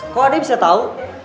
kok ada yang bisa tau